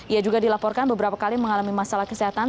ia juga dilaporkan beberapa kali mengalami masalah kesehatan